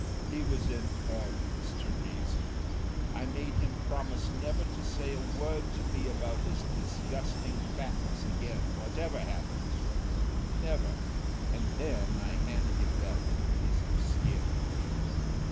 He was impervious to reason. I made him promise never to say a word to me about his disgusting fatness again whatever happened never, and then I handed him that little piece of skin.